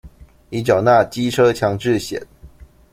已繳納機車強制險